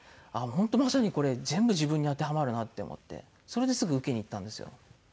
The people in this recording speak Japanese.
本当まさにこれ全部自分に当てはまるなって思ってそれですぐ受けに行ったんですよ。